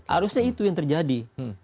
harusnya itu yang terjadi